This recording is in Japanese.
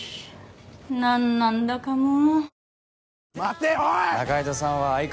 なんなんだかもう。